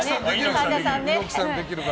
神田さんは。